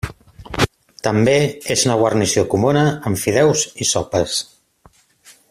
També és una guarnició comuna en fideus i sopes.